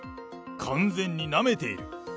完全になめている。